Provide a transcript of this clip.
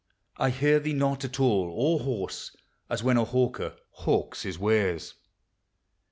321 I hear thee not at all, or hoarse, As when a hawker hawks his wares.